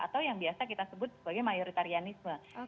atau yang biasa kita sebut sebagai mayoritarianisme